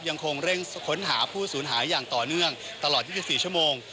ยังคงเร่งค้นหาผู้สูญหายอย่างต่อเนื่องตลอด๒๔ชั่วโมง